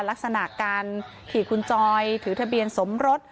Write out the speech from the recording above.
ลักษณะการขี่คุณจอยถือทะเบียนสมรส